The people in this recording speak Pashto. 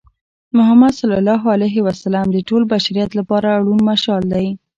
محمد ص د ټول بشریت لپاره روڼ مشال دی.